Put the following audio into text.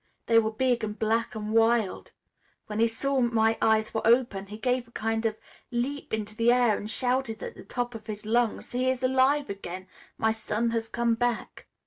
They were big and black and wild. When he saw my eyes were open he gave a kind of leap into the air and shouted at the top of his lungs: 'He is alive again! My son has come back!'